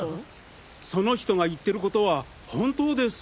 その人が言ってることは本当です。